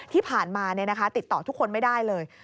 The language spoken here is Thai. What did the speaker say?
ที่ผ่านมาติดต่อทุกคนไม่ได้เลย